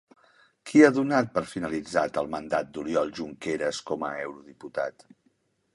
Qui ha donat per finalitzat el mandat d'Oriol Junqueras com a eurodiputat?